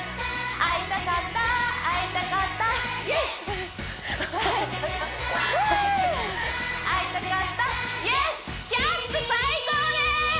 会いたかった会いたかったＹｅｓ！